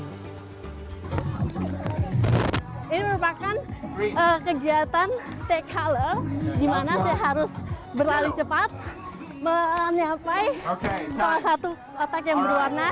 ini merupakan kegiatan teka lo gimana saya harus berlari cepat menyapai satu otak yang berwarna